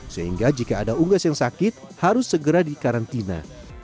sehingga jika ada unggas yang sakit harus segera dikarantina